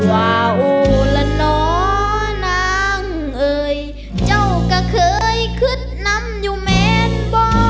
วาวละนอนางเอ่ยเจ้าก็เคยขึ้นนำอยู่แมนบ่อ